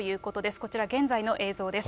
こちら、現在の映像です。